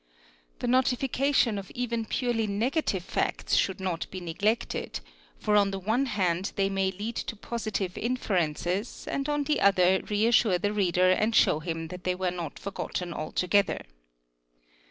| The notification of even purely negative facts should not be neglected, for on the one hand they may lead to positive inferences and on the other reassure the reader and show him that they were not forgotten altogether.